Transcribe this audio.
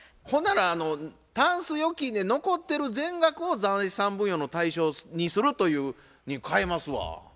ほなら「タンス預金で残ってる全額を財産分与の対象にする」というに変えますわ。